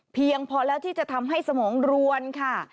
เพียงพอแล้วที่จะทำให้สมองรวนค่ะ